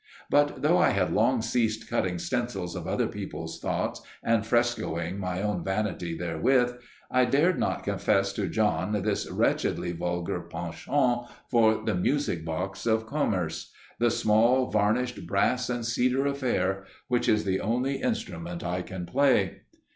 But though I had long ceased cutting stencils of other people's thoughts and frescoing my own vanity therewith, I dared not confess to John this wretchedly vulgar penchant for the music box of Commerce the small, varnished, brass and cedar affair, which is the only instrument I can play.